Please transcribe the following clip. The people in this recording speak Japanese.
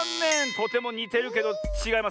とてもにてるけどちがいますねえ。